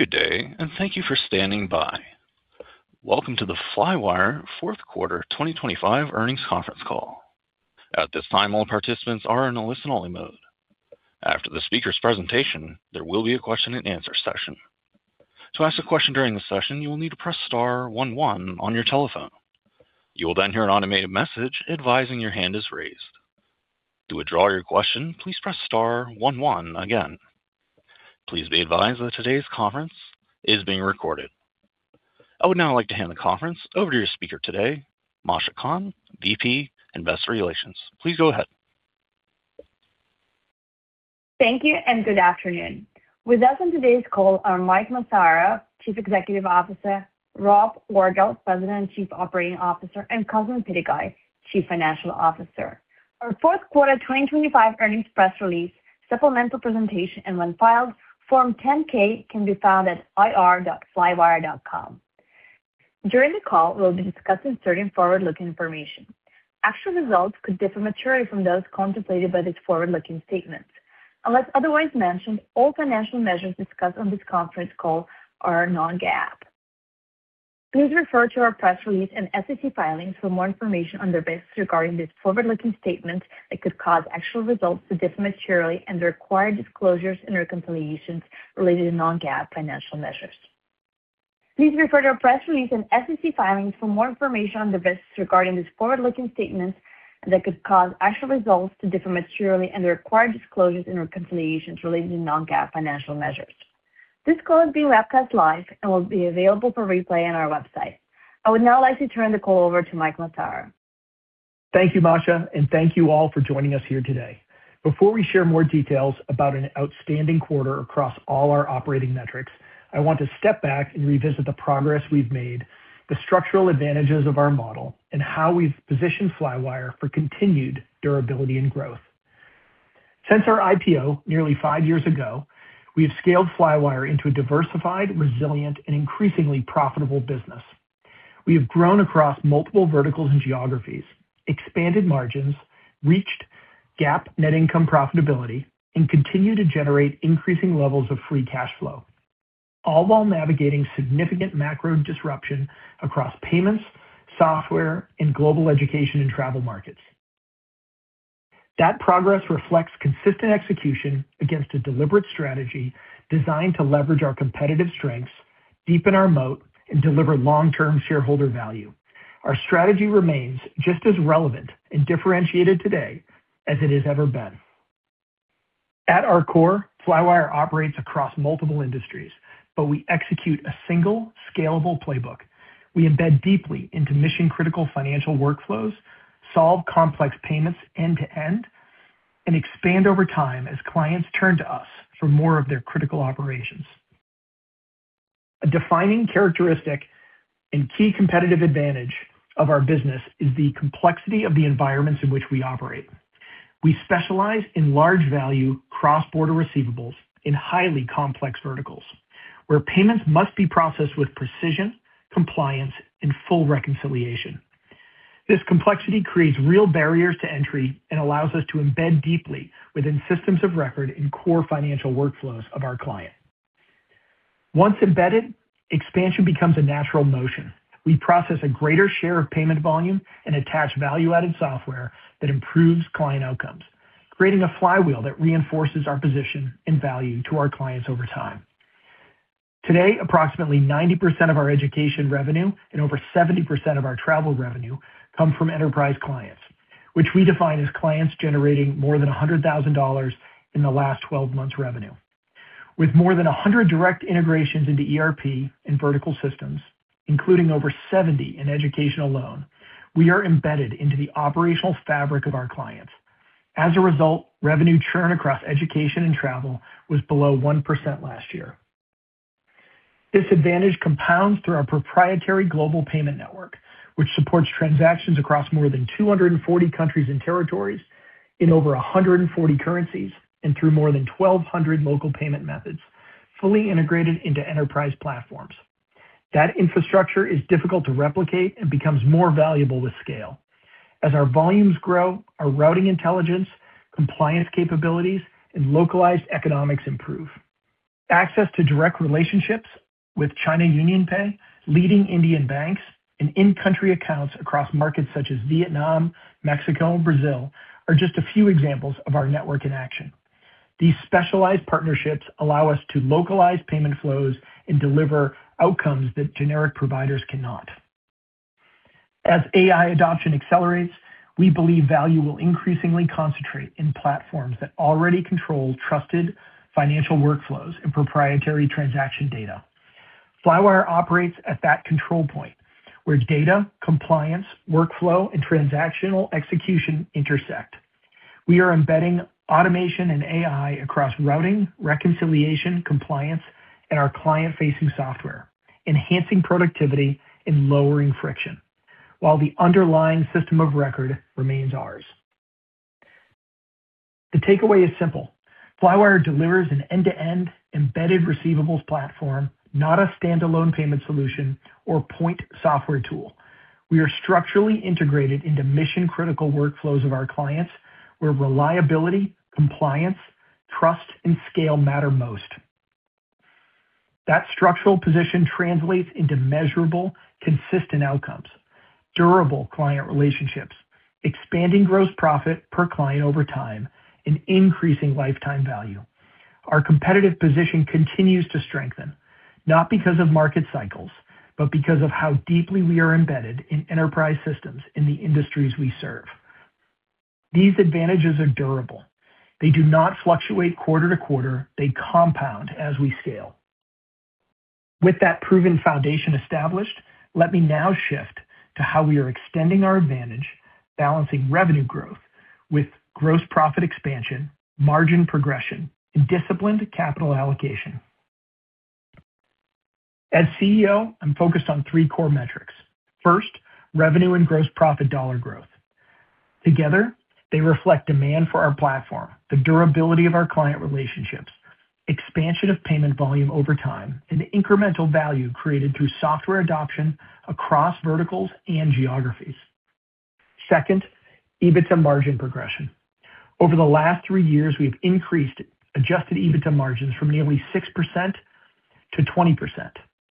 Good day. Thank you for standing by. Welcome to the Flywire Fourth Quarter 2025 Earnings Conference Call. At this time, all participants are in a listen-only mode. After the speaker's presentation, there will be a question-and-answer session. To ask a question during the session, you will need to press star one one on your telephone. You will hear an automated message advising your hand is raised. To withdraw your question, please press star one one again. Please be advised that today's conference is being recorded. I would now like to hand the conference over to your speaker today, Masha Kahn, VP, Investor Relations. Please go ahead. Thank you. Good afternoon. With us on today's call are Mike Massaro, Chief Executive Officer, Rob Orgel, President and Chief Operating Officer, and Cosmin Pitigoi, Chief Financial Officer. Our fourth quarter 2025 earnings press release, supplemental presentation, and when filed, Form 10-K can be found at ir.flywire.com. During the call, we'll be discussing certain forward-looking information. Actual results could differ materially from those contemplated by these forward-looking statements. Unless otherwise mentioned, all financial measures discussed on this conference call are non-GAAP. Please refer to our press release and SEC filings for more information on the risks regarding these forward-looking statements that could cause actual results to differ materially and the required disclosures and reconciliations related to non-GAAP financial measures. Please refer to our press release and SEC filings for more information on the risks regarding these forward-looking statements that could cause actual results to differ materially and the required disclosures and reconciliations related to non-GAAP financial measures. This call is being webcast live and will be available for replay on our website. I would now like to turn the call over to Mike Massaro. Thank you, Masha, and thank you all for joining us here today. Before we share more details about an outstanding quarter across all our operating metrics, I want to step back and revisit the progress we've made, the structural advantages of our model, and how we've positioned Flywire for continued durability and growth. Since our IPO nearly five years ago, we have scaled Flywire into a diversified, resilient, and increasingly profitable business. We have grown across multiple verticals and geographies, expanded margins, reached GAAP net income profitability, and continue to generate increasing levels of free cash flow, all while navigating significant macro disruption across payments, software, and global education and travel markets. That progress reflects consistent execution against a deliberate strategy designed to leverage our competitive strengths, deepen our moat, and deliver long-term shareholder value. Our strategy remains just as relevant and differentiated today as it has ever been. At our core, Flywire operates across multiple industries. We execute a single scalable playbook. We embed deeply into mission-critical financial workflows, solve complex payments end to end, and expand over time as clients turn to us for more of their critical operations. A defining characteristic and key competitive advantage of our business is the complexity of the environments in which we operate. We specialize in large-value, cross-border receivables in highly complex verticals, where payments must be processed with precision, compliance, and full reconciliation. This complexity creates real barriers to entry and allows us to embed deeply within systems of record in core financial workflows of our client. Once embedded, expansion becomes a natural motion. We process a greater share of payment volume and attach value-added software that improves client outcomes, creating a flywheel that reinforces our position and value to our clients over time. Today, approximately 90% of our education revenue and over 70% of our travel revenue come from enterprise clients, which we define as clients generating more than $100,000 in the last 12 months' revenue. With more than 100 direct integrations into ERP and vertical systems, including over 70 in education alone, we are embedded into the operational fabric of our clients. As a result, revenue churn across education and travel was below 1% last year. This advantage compounds through our proprietary global payment network, which supports transactions across more than 240 countries and territories in over 140 currencies and through more than 1,200 local payment methods, fully integrated into enterprise platforms. That infrastructure is difficult to replicate and becomes more valuable with scale. As our volumes grow, our routing intelligence, compliance capabilities, and localized economics improve. Access to direct relationships with China UnionPay, leading Indian banks, and in-country accounts across markets such as Vietnam, Mexico, and Brazil are just a few examples of our network in action. These specialized partnerships allow us to localize payment flows and deliver outcomes that generic providers cannot. As AI adoption accelerates, we believe value will increasingly concentrate in platforms that already control trusted financial workflows and proprietary transaction data. Flywire operates at that control point, where data, compliance, workflow, and transactional execution intersect. We are embedding automation and AI across routing, reconciliation, compliance, and our client-facing software, enhancing productivity and lowering friction, while the underlying system of record remains ours. The takeaway is simple: Flywire delivers an end-to-end embedded receivables platform, not a standalone payment solution or point software tool. We are structurally integrated into mission-critical workflows of our clients, where reliability, compliance, trust, and scale matter most. That structural position translates into measurable, consistent outcomes, durable client relationships, expanding gross profit per client over time, and increasing lifetime value. Our competitive position continues to strengthen, not because of market cycles, but because of how deeply we are embedded in enterprise systems in the industries we serve. These advantages are durable. They do not fluctuate quarter to quarter. They compound as we scale. With that proven foundation established, let me now shift to how we are extending our advantage, balancing revenue growth with gross profit expansion, margin progression, and disciplined capital allocation. As CEO, I'm focused on three core metrics. First, revenue and gross profit dollar growth. Together, they reflect demand for our platform, the durability of our client relationships, expansion of payment volume over time, and incremental value created through software adoption across verticals and geographies. Second, EBITDA margin progression. Over the last three years, we've increased adjusted EBITDA margins from nearly 6% to 20%.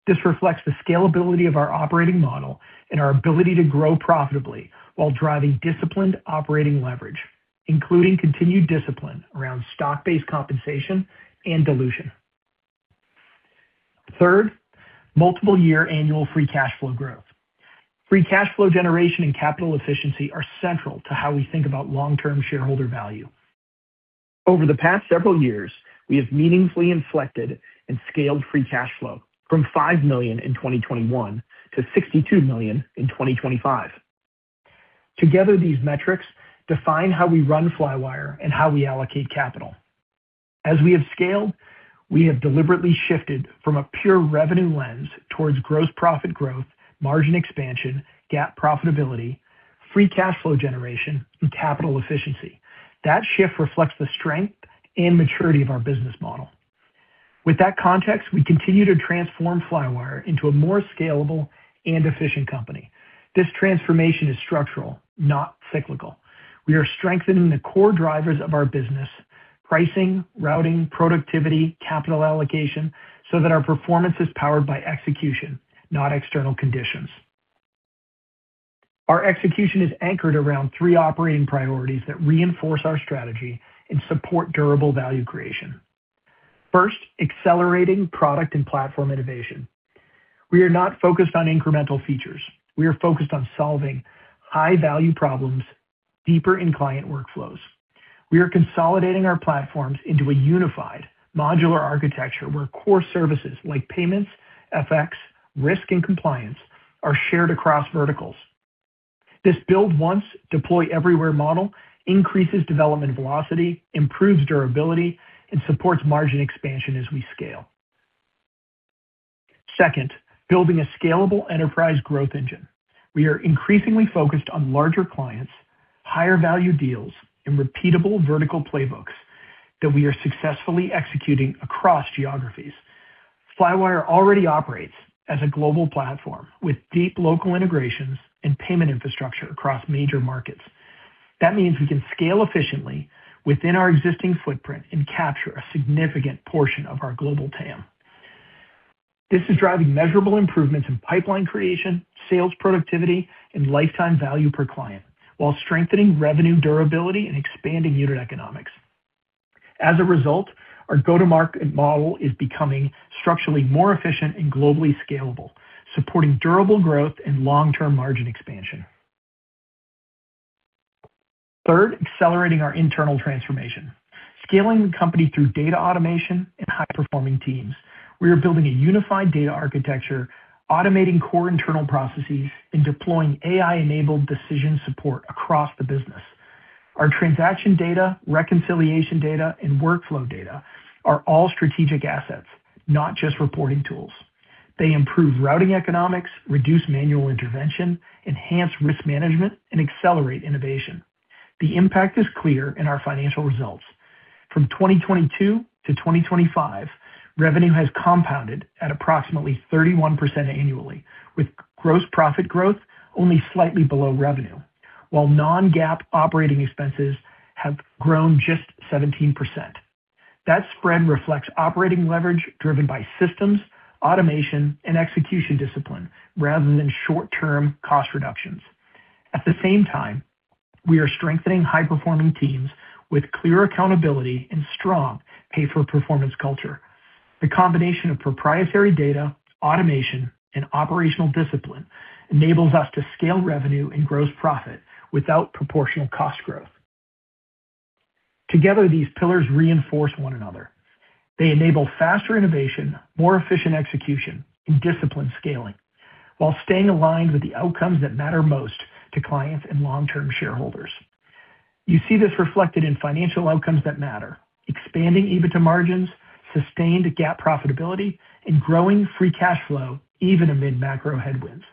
This reflects the scalability of our operating model and our ability to grow profitably while driving disciplined operating leverage, including continued discipline around stock-based compensation and dilution. Third, multiple year annual free cash flow growth. Free cash flow generation and capital efficiency are central to how we think about long-term shareholder value. Over the past several years, we have meaningfully inflected and scaled free cash flow from $5 million in 2021 to $62 million in 2025. Together, these metrics define how we run Flywire and how we allocate capital. As we have scaled, we have deliberately shifted from a pure revenue lens towards gross profit growth, margin expansion, GAAP profitability, free cash flow generation, and capital efficiency. That shift reflects the strength and maturity of our business model. With that context, we continue to transform Flywire into a more scalable and efficient company. This transformation is structural, not cyclical. We are strengthening the core drivers of our business, pricing, routing, productivity, capital allocation, so that our performance is powered by execution, not external conditions. Our execution is anchored around three operating priorities that reinforce our strategy and support durable value creation. First, accelerating product and platform innovation. We are not focused on incremental features. We are focused on solving high-value problems deeper in client workflows. We are consolidating our platforms into a unified modular architecture, where core services like payments, FX, risk, and compliance are shared across verticals. This build once, deploy everywhere model increases development velocity, improves durability, and supports margin expansion as we scale. Second, building a scalable enterprise growth engine. We are increasingly focused on larger clients, higher value deals, and repeatable vertical playbooks that we are successfully executing across geographies. Flywire already operates as a global platform with deep local integrations and payment infrastructure across major markets. That means we can scale efficiently within our existing footprint and capture a significant portion of our global TAM. This is driving measurable improvements in pipeline creation, sales productivity, and lifetime value per client, while strengthening revenue durability and expanding unit economics. As a result, our go-to-market model is becoming structurally more efficient and globally scalable, supporting durable growth and long-term margin expansion. Third, accelerating our internal transformation. Scaling the company through data automation and high-performing teams. We are building a unified data architecture, automating core internal processes, and deploying AI-enabled decision support across the business. Our transaction data, reconciliation data, and workflow data are all strategic assets, not just reporting tools. They improve routing economics, reduce manual intervention, enhance risk management, and accelerate innovation. The impact is clear in our financial results. From 2022 to 2025, revenue has compounded at approximately 31% annually, with gross profit growth only slightly below revenue, while non-GAAP OpEx have grown just 17%. That spread reflects operating leverage driven by systems, automation, and execution discipline, rather than short-term cost reductions. At the same time, we are strengthening high-performing teams with clear accountability and strong pay-for-performance culture. The combination of proprietary data, automation, and operational discipline enables us to scale revenue and gross profit without proportional cost growth. These pillars reinforce one another. They enable faster innovation, more efficient execution, and disciplined scaling, while staying aligned with the outcomes that matter most to clients and long-term shareholders. You see this reflected in financial outcomes that matter, expanding EBITDA margins, sustained GAAP profitability, and growing free cash flow, even amid macro headwinds.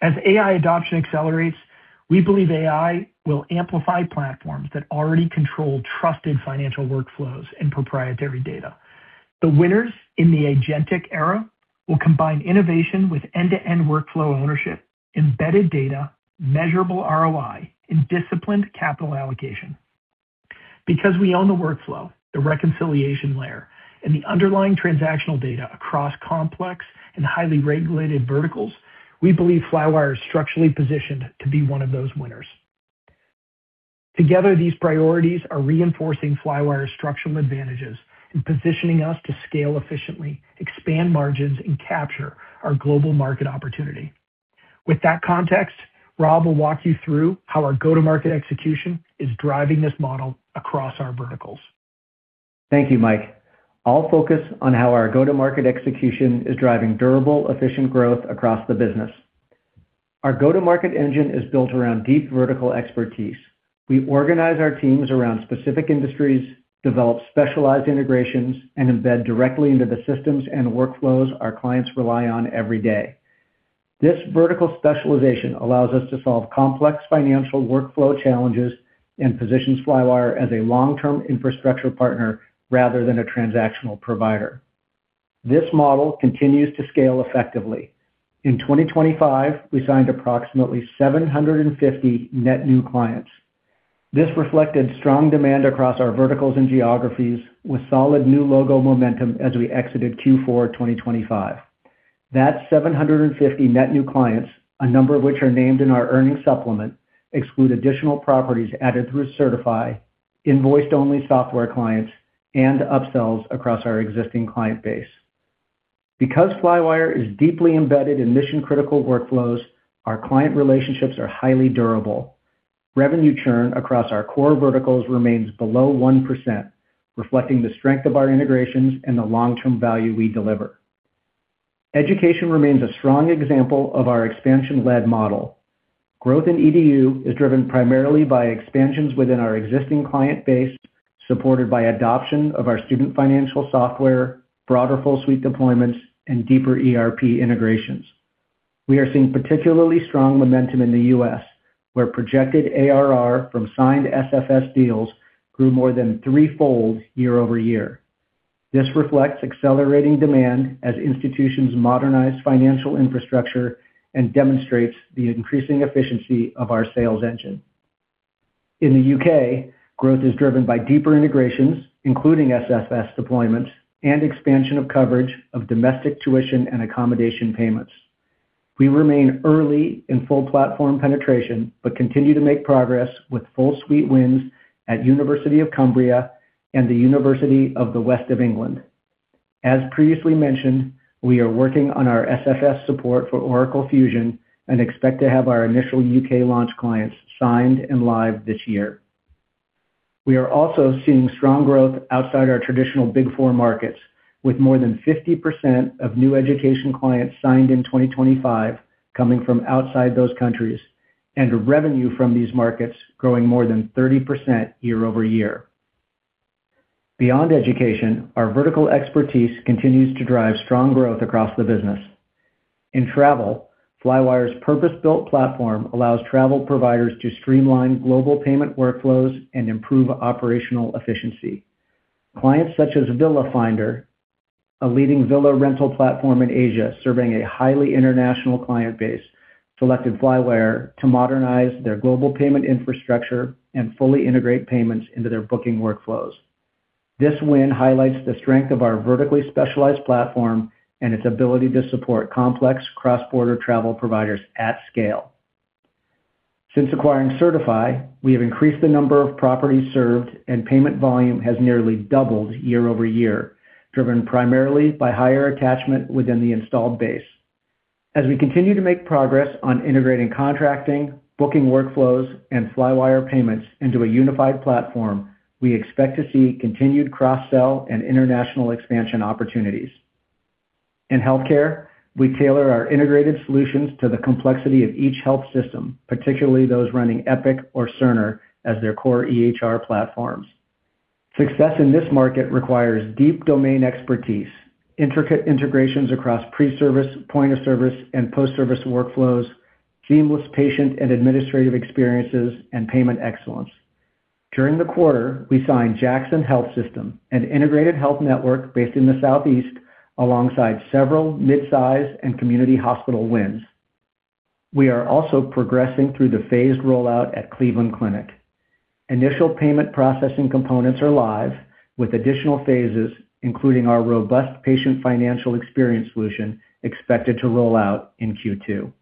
As AI adoption accelerates. We believe AI will amplify platforms that already control trusted financial workflows and proprietary data. The winners in the agentic era will combine innovation with end-to-end workflow ownership, embedded data, measurable ROI, and disciplined capital allocation. Because we own the workflow, the reconciliation layer, and the underlying transactional data across complex and highly regulated verticals, we believe Flywire is structurally positioned to be one of those winners. Together, these priorities are reinforcing Flywire's structural advantages and positioning us to scale efficiently, expand margins, and capture our global market opportunity. With that context, Rob will walk you through how our go-to-market execution is driving this model across our verticals. Thank you, Mike. I'll focus on how our go-to-market execution is driving durable, efficient growth across the business. Our go-to-market engine is built around deep vertical expertise. We organize our teams around specific industries, develop specialized integrations, and embed directly into the systems and workflows our clients rely on every day. This vertical specialization allows us to solve complex financial workflow challenges and positions Flywire as a long-term infrastructure partner rather than a transactional provider. This model continues to scale effectively. In 2025, we signed approximately 750 net new clients. This reflected strong demand across our verticals and geographies, with solid new logo momentum as we exited Q4 2025. That 750 net new clients, a number of which are named in our earnings supplement, exclude additional properties added through Sertifi, invoiced-only software clients, and upsells across our existing client base. Because Flywire is deeply embedded in mission-critical workflows, our client relationships are highly durable. Revenue churn across our core verticals remains below 1%, reflecting the strength of our integrations and the long-term value we deliver. Education remains a strong example of our expansion-led model. Growth in EDU is driven primarily by expansions within our existing client base, supported by adoption of our Student Financial Software, broader full suite deployments, and deeper ERP integrations. We are seeing particularly strong momentum in the U.S., where projected ARR from signed SFS deals grew more than threefold year-over-year. This reflects accelerating demand as institutions modernize financial infrastructure and demonstrates the increasing efficiency of our sales engine. In the U.K., growth is driven by deeper integrations, including SFS deployments and expansion of coverage of domestic tuition and accommodation payments. We remain early in full platform penetration, but continue to make progress with full suite wins at University of Cumbria and the University of the West of England. As previously mentioned, we are working on our SFS support for Oracle Fusion and expect to have our initial UK launch clients signed and live this year. We are also seeing strong growth outside our traditional Big 4 markets, with more than 50% of new education clients signed in 2025 coming from outside those countries, and revenue from these markets growing more than 30% year-over-year. Beyond education, our vertical expertise continues to drive strong growth across the business. In travel, Flywire's purpose-built platform allows travel providers to streamline global payment workflows and improve operational efficiency. Clients such as Villa Finder, a leading villa rental platform in Asia, serving a highly international client base, selected Flywire to modernize their global payment infrastructure and fully integrate payments into their booking workflows. This win highlights the strength of our vertically specialized platform and its ability to support complex cross-border travel providers at scale. Since acquiring Sertifi, we have increased the number of properties served, and payment volume has nearly doubled year-over-year, driven primarily by higher attachment within the installed base. As we continue to make progress on integrating, contracting, booking workflows, and Flywire payments into a unified platform, we expect to see continued cross-sell and international expansion opportunities. In healthcare, we tailor our integrated solutions to the complexity of each health system, particularly those running Epic or Cerner as their core EHR platforms. Success in this market requires deep domain expertise, intricate integrations across pre-service, point-of-service, and post-service workflows, seamless patient and administrative experiences, and payment excellence. During the quarter, we signed Jackson Health System, an integrated health network based in the Southeast, alongside several midsize and community hospital wins. We are also progressing through the phased rollout at Cleveland Clinic. Initial payment processing components are live, with additional phases, including our robust patient financial experience solution, expected to roll out in Q2.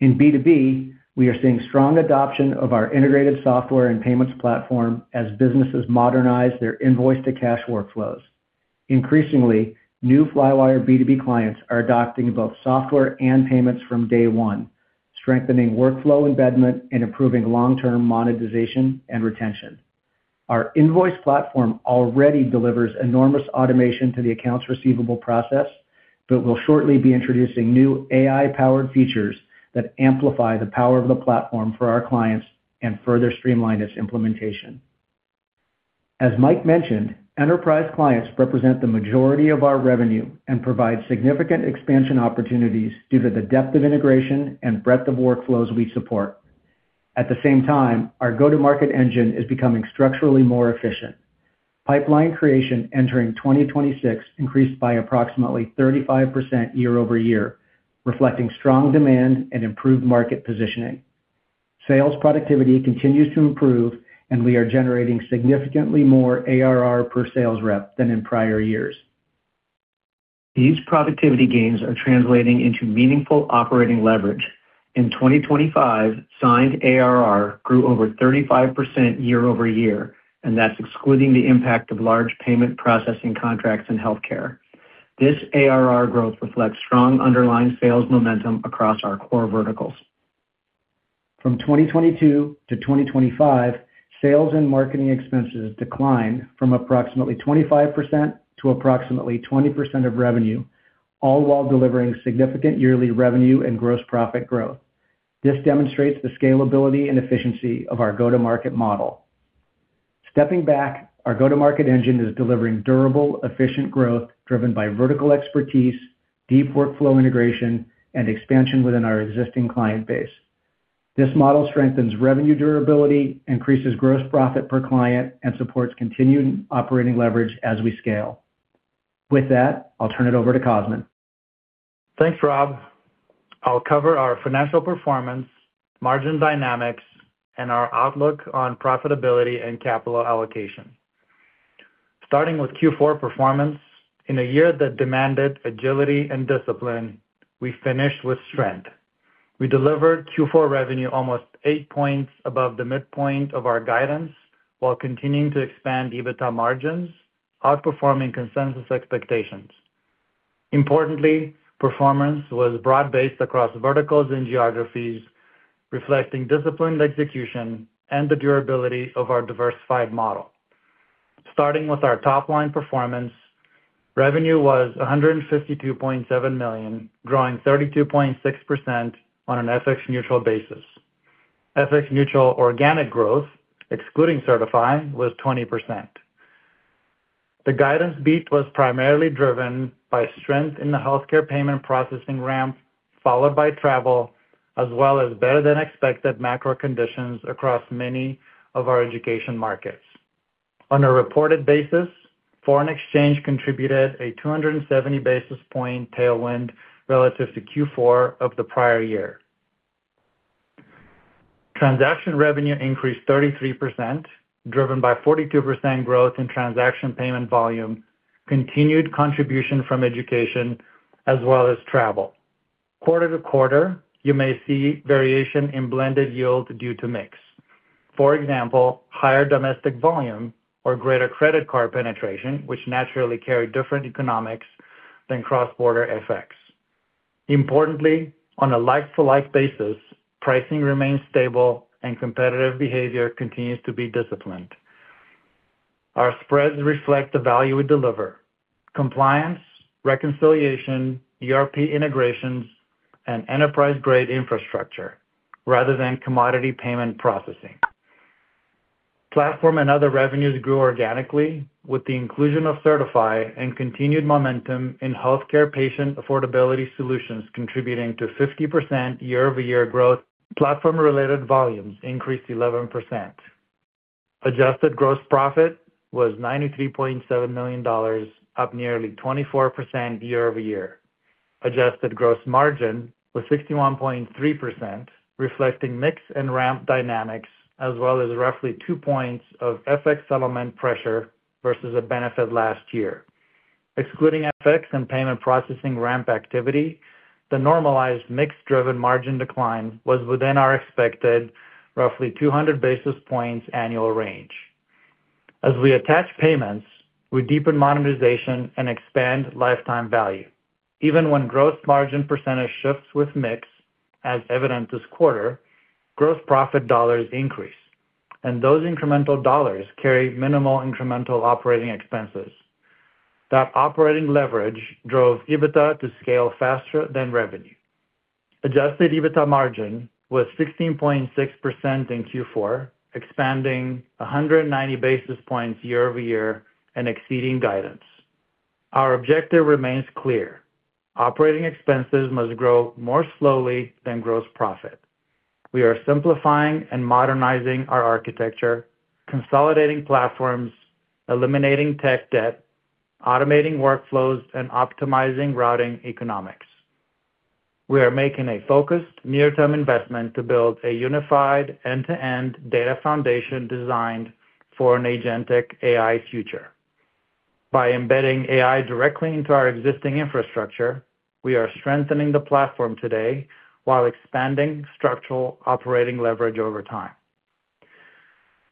In B2B, we are seeing strong adoption of our integrated software and payments platform as businesses modernize their invoice-to-cash workflows. Increasingly, new Flywire B2B clients are adopting both software and payments from day one, strengthening workflow embedment and improving long-term monetization and retention. Our invoice platform already delivers enormous automation to the accounts receivable process, but we'll shortly be introducing new AI-powered features that amplify the power of the platform for our clients and further streamline its implementation. As Mike mentioned, enterprise clients represent the majority of our revenue and provide significant expansion opportunities due to the depth of integration and breadth of workflows we support. At the same time, our go-to-market engine is becoming structurally more efficient. Pipeline creation entering 2026 increased by approximately 35% year-over-year, reflecting strong demand and improved market positioning. Sales productivity continues to improve, and we are generating significantly more ARR per sales rep than in prior years. These productivity gains are translating into meaningful operating leverage. In 2025, signed ARR grew over 35% year-over-year, That's excluding the impact of large payment processing contracts in healthcare. This ARR growth reflects strong underlying sales momentum across our core verticals. From 2022 to 2025, sales and marketing expenses declined from approximately 25% to approximately 20% of revenue, all while delivering significant yearly revenue and gross profit growth. This demonstrates the scalability and efficiency of our go-to-market model. Stepping back, our go-to-market engine is delivering durable, efficient growth, driven by vertical expertise, deep workflow integration, and expansion within our existing client base. This model strengthens revenue durability, increases gross profit per client, and supports continued operating leverage as we scale. With that, I'll turn it over to Cosmin. Thanks, Rob. I'll cover our financial performance, margin dynamics, and our outlook on profitability and capital allocation. Starting with Q4 performance, in a year that demanded agility and discipline, we finished with strength. We delivered Q4 revenue almost eight points above the midpoint of our guidance, while continuing to expand EBITDA margins, outperforming consensus expectations. Importantly, performance was broad-based across verticals and geographies, reflecting disciplined execution and the durability of our diversified model. Starting with our top-line performance, revenue was $152.7 million, growing 32.6% on an FX neutral basis. FX neutral organic growth, excluding Sertifi, was 20%. The guidance beat was primarily driven by strength in the healthcare payment processing ramp, followed by travel, as well as better than expected macro conditions across many of our education markets. On a reported basis, foreign exchange contributed a 270 basis point tailwind relative to Q4 of the prior year. Transaction revenue increased 33%, driven by 42% growth in transaction payment volume, continued contribution from education, as well as travel. Quarter to quarter, you may see variation in blended yield due to mix. For example, higher domestic volume or greater credit card penetration, which naturally carry different economics than cross-border effects. Importantly, on a like-for-like basis, pricing remains stable and competitive behavior continues to be disciplined. Our spreads reflect the value we deliver, compliance, reconciliation, ERP integrations, and enterprise-grade infrastructure rather than commodity payment processing. Platform and other revenues grew organically, with the inclusion of Sertifi and continued momentum in healthcare patient affordability solutions, contributing to 50% year-over-year growth. Platform-related volumes increased 11%. Adjusted gross profit was $93.7 million, up nearly 24% year-over-year. Adjusted gross margin was 61.3%, reflecting mix and ramp dynamics, as well as roughly two points of FX settlement pressure versus a benefit last year. Excluding FX and payment processing ramp activity, the normalized mix-driven margin decline was within our expected roughly 200 basis points annual range. As we attach payments, we deepen monetization and expand lifetime value. Even when gross margin percentage shifts with mix, as evident this quarter, gross profit dollars increase, and those incremental dollars carry minimal incremental operating expenses. That operating leverage drove EBITDA to scale faster than revenue. Adjusted EBITDA margin was 16.6% in Q4, expanding 190 basis points year-over-year and exceeding guidance. Our objective remains clear: Operating expenses must grow more slowly than gross profit. We are simplifying and modernizing our architecture, consolidating platforms, eliminating tech debt, automating workflows, and optimizing routing economics. We are making a focused near-term investment to build a unified, end-to-end data foundation designed for an agentic AI future. By embedding AI directly into our existing infrastructure, we are strengthening the platform today while expanding structural operating leverage over time.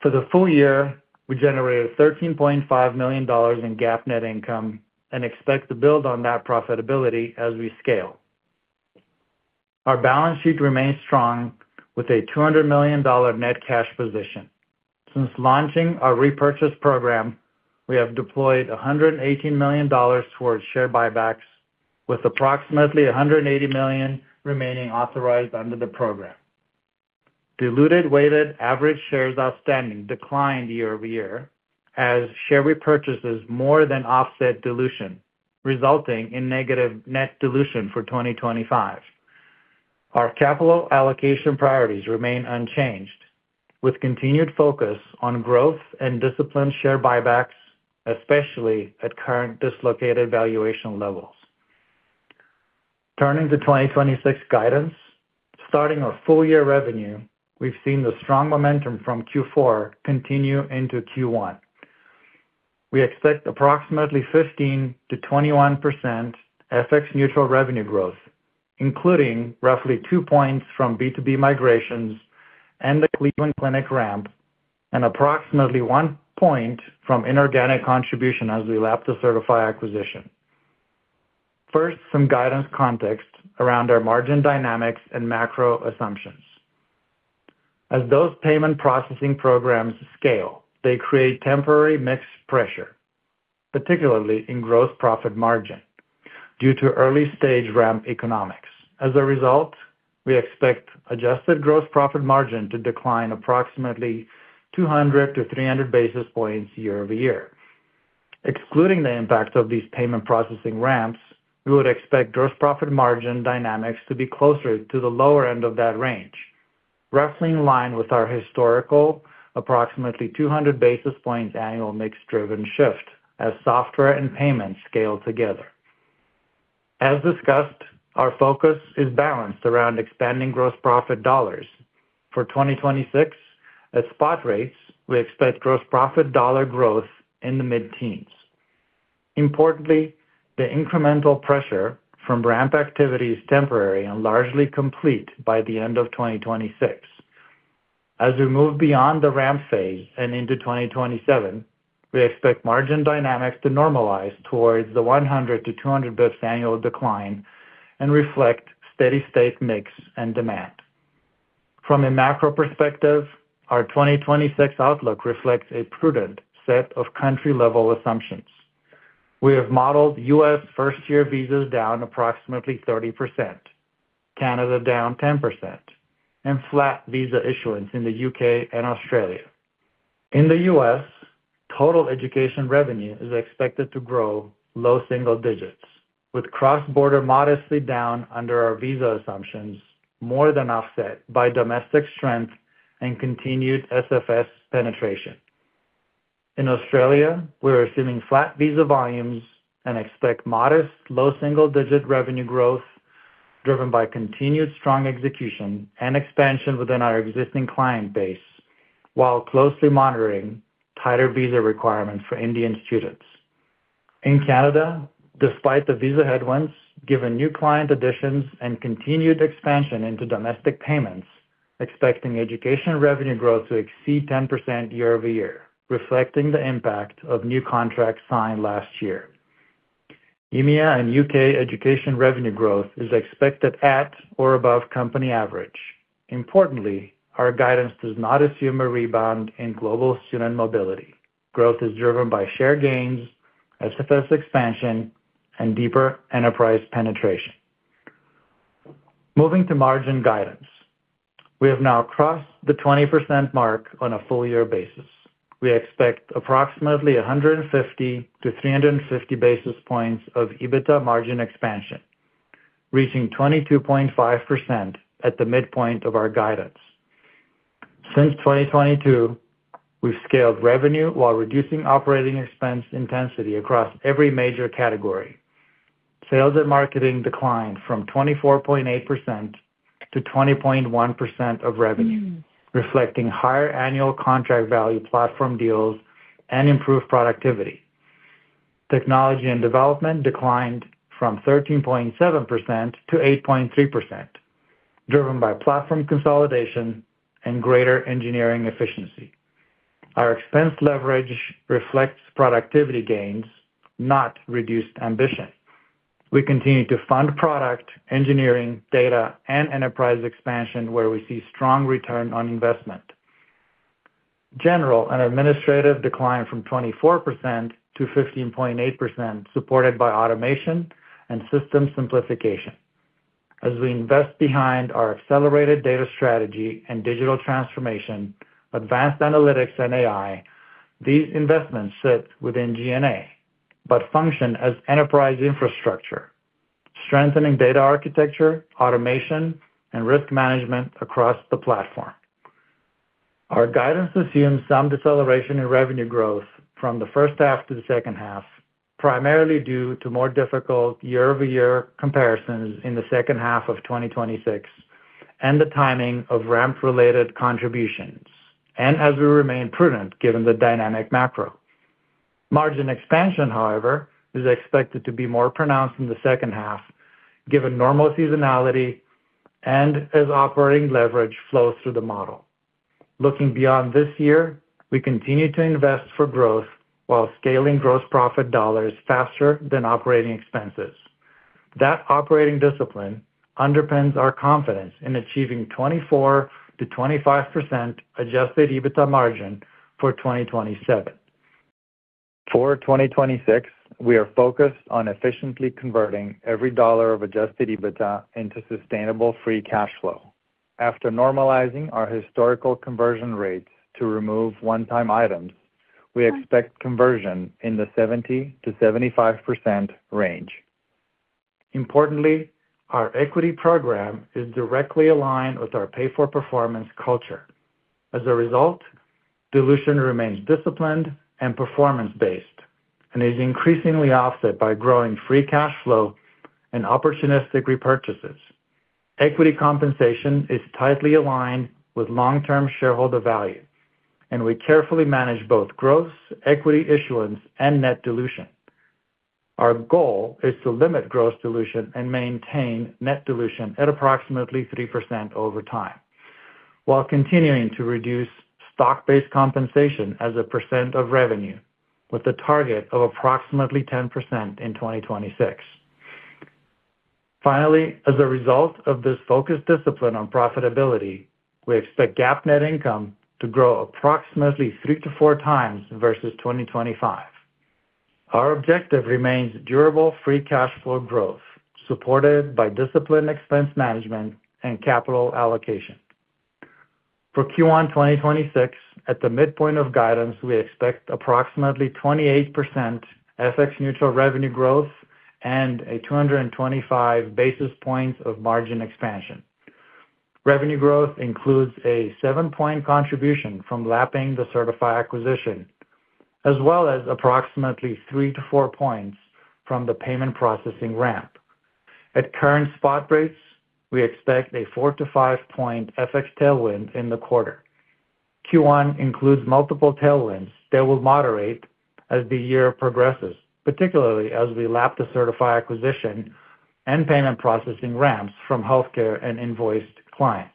For the full year, we generated $13.5 million in GAAP net income and expect to build on that profitability as we scale. Our balance sheet remains strong, with a $200 million net cash position. Since launching our repurchase program, we have deployed $118 million towards share buybacks, with approximately $180 million remaining authorized under the program. Diluted weighted average shares outstanding declined year-over-year, as share repurchases more than offset dilution, resulting in negative net dilution for 2025. Our capital allocation priorities remain unchanged, with continued focus on growth and disciplined share buybacks, especially at current dislocated valuation levels. Turning to 2026 guidance, starting our full year revenue, we've seen the strong momentum from Q4 continue into Q1. We expect approximately 15%-21% FX neutral revenue growth, including roughly two points from B2B migrations and the Cleveland Clinic ramp, and approximately one point from inorganic contribution as we lap the Sertifi acquisition. First, some guidance context around our margin dynamics and macro assumptions. As those payment processing programs scale, they create temporary mix pressure, particularly in gross profit margin, due to early-stage ramp economics. As a result, we expect adjusted gross profit margin to decline approximately 200-300 basis points year-over-year. Excluding the impact of these payment processing ramps, we would expect gross profit margin dynamics to be closer to the lower end of that range, roughly in line with our historical approximately 200 basis points annual mix-driven shift as software and payments scale together. As discussed, our focus is balanced around expanding gross profit dollars. For 2026, at spot rates, we expect gross profit dollar growth in the mid-teens. Importantly, the incremental pressure from ramp activity is temporary and largely complete by the end of 2026. As we move beyond the ramp phase and into 2027, we expect margin dynamics to normalize towards the 100 to 200 basis annual decline and reflect steady-state mix and demand. From a macro perspective, our 2026 outlook reflects a prudent set of country-level assumptions. We have modeled U.S. first-year visas down approximately 30%, Canada down 10%, and flat visa issuance in the U.K. and Australia. In the U.S., total education revenue is expected to grow low single digits, with cross-border modestly down under our visa assumptions, more than offset by domestic strength and continued SFS penetration. In Australia, we're assuming flat visa volumes and expect modest low single-digit revenue growth, driven by continued strong execution and expansion within our existing client base, while closely monitoring tighter visa requirements for Indian students. In Canada, despite the visa headwinds, given new client additions and continued expansion into domestic payments, expecting education revenue growth to exceed 10% year-over-year, reflecting the impact of new contracts signed last year. EMEA and U.K. education revenue growth is expected at or above company average. Importantly, our guidance does not assume a rebound in global student mobility. Growth is driven by share gains, SFS expansion, and deeper enterprise penetration. Moving to margin guidance. We have now crossed the 20% mark on a full year basis. We expect approximately 150 to 350 basis points of EBITDA margin expansion, reaching 22.5% at the midpoint of our guidance. Since 2022, we've scaled revenue while reducing OpEx intensity across every major category. Sales and marketing declined from 24.8%-20.1% of revenue, reflecting higher annual contract value platform deals and improved productivity. Technology and development declined from 13.7%-8.3%, driven by platform consolidation and greater engineering efficiency. Our expense leverage reflects productivity gains, not reduced ambition. We continue to fund product, engineering, data, and enterprise expansion where we see strong ROI. General and administrative declined from 24% to 15.8%, supported by automation and system simplification. As we invest behind our accelerated data strategy and digital transformation, advanced analytics and AI, these investments sit within G&A, but function as enterprise infrastructure, strengthening data architecture, automation, and risk management across the platform. Our guidance assumes some deceleration in revenue growth from the first half to the second half, primarily due to more difficult year-over-year comparisons in the second half of 2026 and the timing of ramp-related contributions, and as we remain prudent, given the dynamic macro. Margin expansion, however, is expected to be more pronounced in the second half, given normal seasonality and as operating leverage flows through the model. Looking beyond this year, we continue to invest for growth while scaling gross profit dollars faster than operating expenses. That operating discipline underpins our confidence in achieving 24%-25% adjusted EBITDA margin for 2027. For 2026, we are focused on efficiently converting every dollar of adjusted EBITDA into sustainable free cash flow. After normalizing our historical conversion rates to remove one-time items, we expect conversion in the 70%-75% range. Importantly, our equity program is directly aligned with our pay-for-performance culture. As a result, dilution remains disciplined and performance-based and is increasingly offset by growing free cash flow and opportunistic repurchases. Equity compensation is tightly aligned with long-term shareholder value, and we carefully manage both gross equity issuance and net dilution. Our goal is to limit gross dilution and maintain net dilution at approximately 3% over time, while continuing to reduce stock-based compensation as a percent of revenue, with a target of approximately 10% in 2026. Finally, as a result of this focused discipline on profitability, we expect GAAP net income to grow approximately 3-4x versus 2025. Our objective remains durable free cash flow growth, supported by disciplined expense management and capital allocation. For Q1 2026, at the midpoint of guidance, we expect approximately 28% FX neutral revenue growth and a 225 basis points of margin expansion. Revenue growth includes a seven-point contribution from lapping the Sertifi acquisition, as well as approximately three to four points from the payment processing ramp. At current spot rates, we expect a four to five point FX tailwind in the quarter. Q1 includes multiple tailwinds that will moderate as the year progresses, particularly as we lap the Sertifi acquisition and payment processing ramps from healthcare and invoiced clients.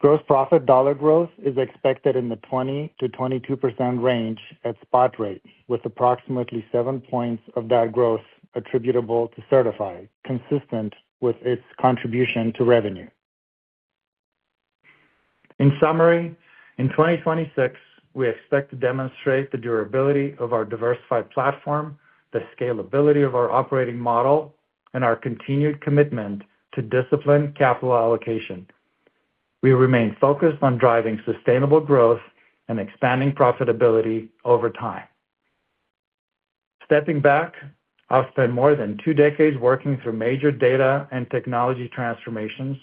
Gross profit dollar growth is expected in the 20%-22% range at spot rates, with approximately seven points of that growth attributable to Sertifi, consistent with its contribution to revenue. In summary, in 2026, we expect to demonstrate the durability of our diversified platform, the scalability of our operating model, and our continued commitment to disciplined capital allocation. We remain focused on driving sustainable growth and expanding profitability over time. Stepping back, I've spent more than two decades working through major data and technology transformations,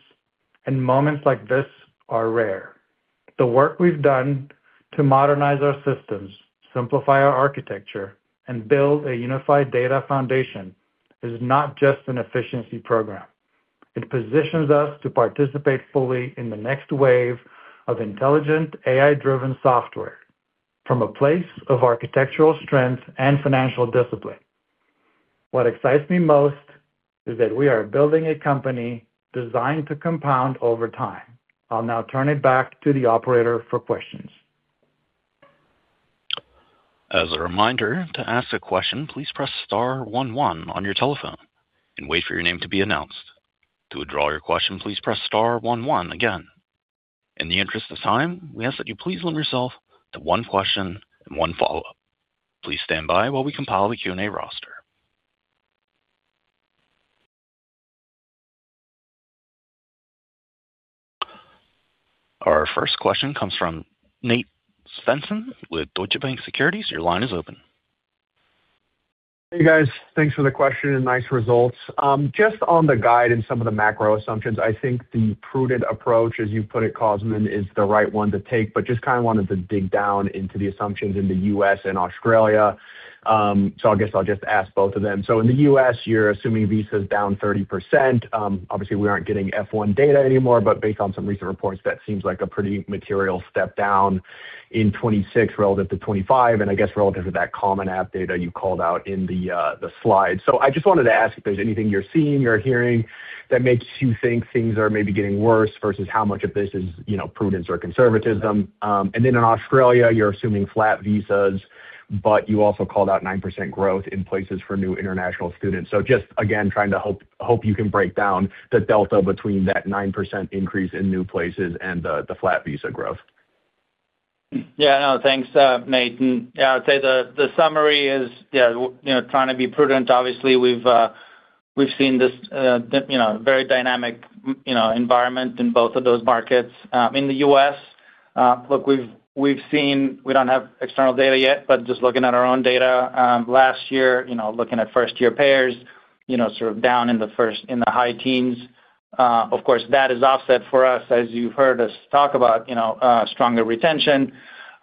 and moments like this are rare. The work we've done to modernize our systems, simplify our architecture, and build a unified data foundation is not just an efficiency program. It positions us to participate fully in the next wave of intelligent AI-driven software from a place of architectural strength and financial discipline. What excites me most is that we are building a company designed to compound over time. I'll now turn it back to the operator for questions. As a reminder, to ask a question, please press star one one on your telephone and wait for your name to be announced. To withdraw your question, please press star one one again. In the interest of time, we ask that you please limit yourself to one question and one follow-up. Please stand by while we compile the Q&A roster. Our first question comes from Nate Svenson with Deutsche Bank Securities. Your line is open. Hey, guys. Thanks for the question and nice results. Just on the guide and some of the macro assumptions, I think the prudent approach, as you put it, Cosmin, is the right one to take, but just kind of wanted to dig down into the assumptions in the U.S. and Australia. I guess I'll just ask both of them. In the U.S., you're assuming visa's down 30%. Obviously, we aren't getting F1 data anymore, but based on some recent reports, that seems like a pretty material step down in 2026 relative to 2025, and I guess relative to that Common App data you called out in the slide. I just wanted to ask if there's anything you're seeing or hearing that makes you think things are maybe getting worse versus how much of this is, you know, prudence or conservatism? In Australia, you're assuming flat visas, but you also called out 9% growth in places for new international students. Just again, trying to hope you can break down the delta between that 9% increase in new places and the flat visa growth? No, thanks, Nate. I'd say the summary is, you know, trying to be prudent. Obviously, we've seen this, you know, very dynamic, you know, environment in both of those markets. In the U.S., look, we've seen. We don't have external data yet, but just looking at our own data, last year, you know, looking at first-year payers, you know, sort of down in the high teens. Of course, that is offset for us, as you've heard us talk about, you know, stronger retention,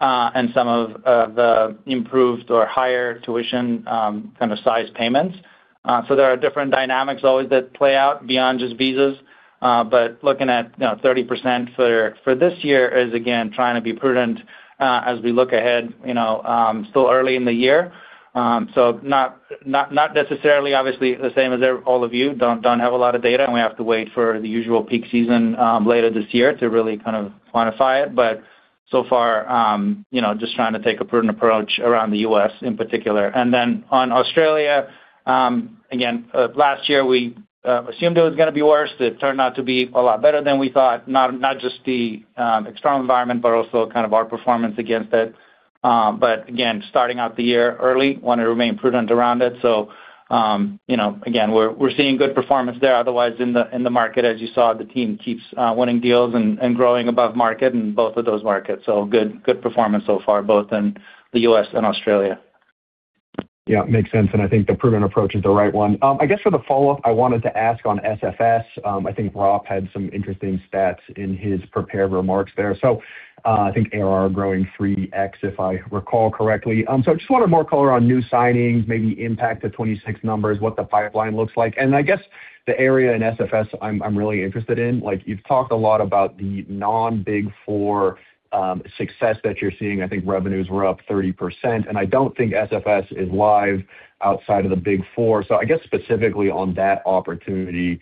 and some of the improved or higher tuition, kind of size payments. There are different dynamics always that play out beyond just visas. Looking at, you know, 30% for this year is again, trying to be prudent as we look ahead, you know, still early in the year. Not necessarily obviously the same as all of you. Don't have a lot of data, we have to wait for the usual peak season later this year to really kind of quantify it. So far, you know, just trying to take a prudent approach around the U.S. in particular. On Australia, again, last year we assumed it was gonna be worse. It turned out to be a lot better than we thought, not just the external environment, also kind of our performance against it. Again, starting out the year early, want to remain prudent around it. You know, again, we're seeing good performance there. Otherwise, in the market, as you saw, the team keeps winning deals and growing above market in both of those markets. Good, good performance so far, both in the U.S. and Australia. Yeah, makes sense, and I think the prudent approach is the right one. I guess for the follow-up, I wanted to ask on SFS. I think Rob had some interesting stats in his prepared remarks there. I think ARR growing 3x, if I recall correctly. Just wanted more color on new signings, maybe impact to 2026 numbers, what the pipeline looks like. I guess the area in SFS I'm really interested in, like, you've talked a lot about the non-Big 4, success that you're seeing. I think revenues were up 30%, and I don't think SFS is live outside of the Big 4. I guess specifically on that opportunity,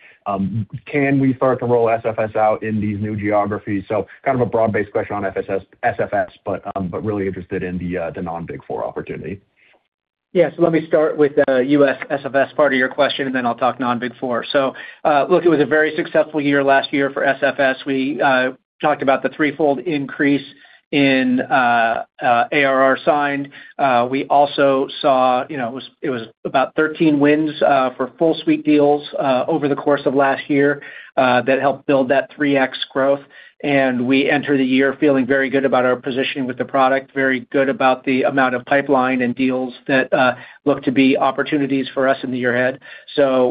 can we start to roll SFS out in these new geographies? Kind of a broad-based question on SFS, but really interested in the non-Big 4 opportunity. Yeah. Let me start with the U.S. SFS part of your question, and then I'll talk non-Big 4. Look, it was a very successful year last year for SFS. We talked about the threefold increase in ARR signed. We also saw, you know, it was about 13 wins for full suite deals over the course of last year that helped build that 3x growth. We enter the year feeling very good about our positioning with the product, very good about the amount of pipeline and deals that look to be opportunities for us in the year ahead.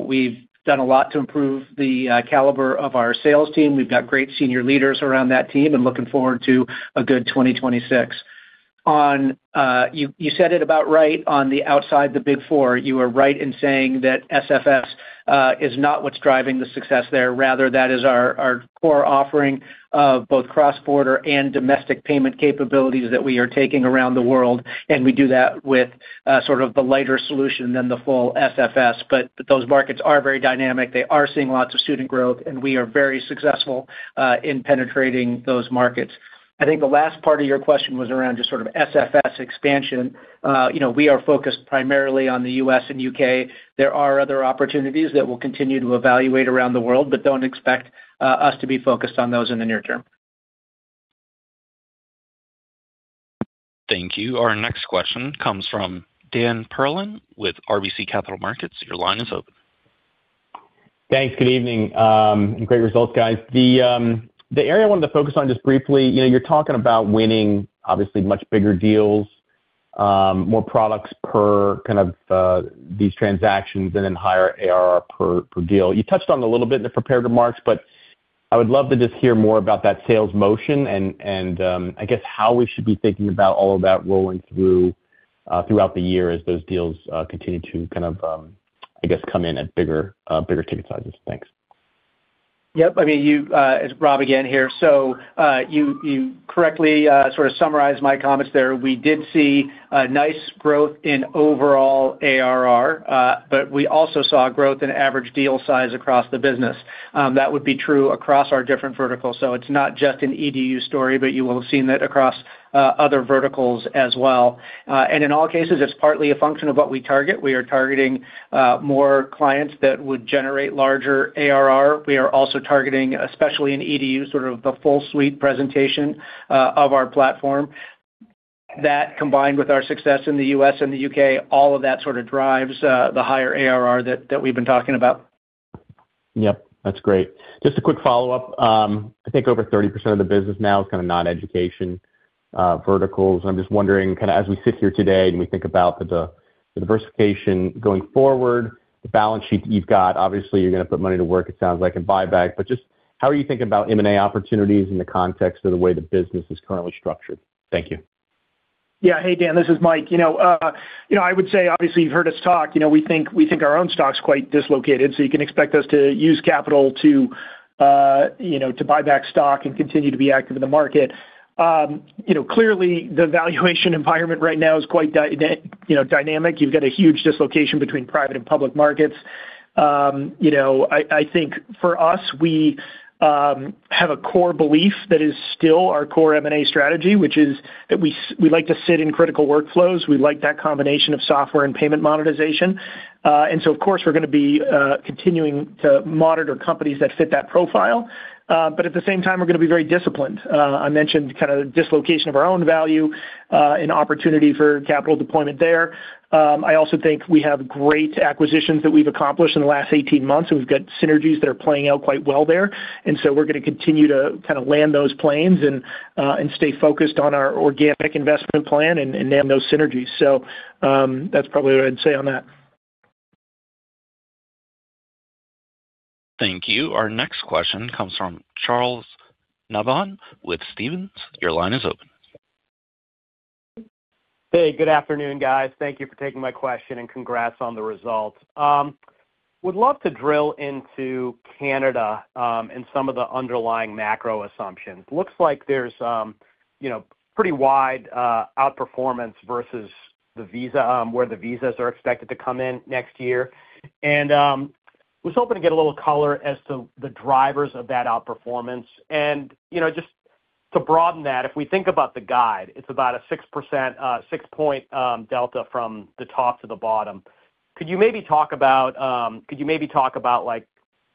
We've done a lot to improve the caliber of our sales team. We've got great senior leaders around that team and looking forward to a good 2026. You said it about right on the outside the Big 4. You are right in saying that SFS is not what's driving the success there. Rather, that is our core offering of both cross-border and domestic payment capabilities that we are taking around the world. We do that with sort of the lighter solution than the full SFS. Those markets are very dynamic. They are seeing lots of student growth. We are very successful in penetrating those markets. I think the last part of your question was around just sort of SFS expansion. You know, we are focused primarily on the U.S. and U.K. There are other opportunities that we'll continue to evaluate around the world, but don't expect us to be focused on those in the near term. Thank you. Our next question comes from Dan Perlin with RBC Capital Markets. Your line is open. Thanks. Good evening. Great results, guys. The area I wanted to focus on just briefly, you know, you're talking about winning, obviously, much bigger deals, more products per kind of these transactions and then higher ARR per deal. You touched on it a little bit in the prepared remarks, but I would love to just hear more about that sales motion and I guess how we should be thinking about all of that rolling through throughout the year as those deals continue to kind of, I guess, come in at bigger ticket sizes. Thanks. Yep. I mean, it's Rob again here. You correctly sort of summarized my comments there. We did see a nice growth in overall ARR, but we also saw growth in average deal size across the business. That would be true across our different verticals. It's not just an EDU story, but you will have seen that across other verticals as well. In all cases, it's partly a function of what we target. We are targeting more clients that would generate larger ARR. We are also targeting, especially in EDU, sort of the full suite presentation of our platform. That, combined with our success in the U.S. and the U.K., all of that sort of drives the higher ARR that we've been talking about. Yep, that's great. Just a quick follow-up. I think over 30% of the business now is kind of non-education, verticals. I'm just wondering, kind of as we sit here today and we think about the diversification going forward, the balance sheet you've got, obviously, you're going to put money to work, it sounds like, in buyback. Just how are you thinking about M&A opportunities in the context of the way the business is currently structured? Thank you. Yeah. Hey, Dan, this is Mike. You know, you know, I would say, obviously, you've heard us talk. You know, we think, we think our own stock's quite dislocated, so you can expect us to use capital to, you know, to buy back stock and continue to be active in the market. You know, clearly, the valuation environment right now is quite dynamic. You've got a huge dislocation between private and public markets. You know, I think for us, we have a core belief that is still our core M&A strategy, which is that we like to sit in critical workflows. We like that combination of software and payment monetization. Of course, we're going to be continuing to monitor companies that fit that profile. At the same time, we're going to be very disciplined. I mentioned kind of the dislocation of our own value and opportunity for capital deployment there. I also think we have great acquisitions that we've accomplished in the last 18 months, and we've got synergies that are playing out quite well there. We're going to continue to kind of land those planes and stay focused on our organic investment plan and nail those synergies. That's probably what I'd say on that. Thank you. Our next question comes from Charles Nabhan with Stephens. Your line is open. Hey, good afternoon, guys. Thank you for taking my question, and congrats on the results. Would love to drill into Canada, and some of the underlying macro assumptions. Looks like there's, you know, pretty wide outperformance versus the visa, where the visas are expected to come in next year. Was hoping to get a little color as to the drivers of that outperformance. You know, just to broaden that, if we think about the guide, it's about a 6%, six point delta from the top to the bottom. Could you maybe talk about, like